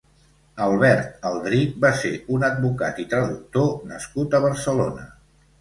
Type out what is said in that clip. Albert Aldrich va ser un advocat i traductor nascut a Barcelona.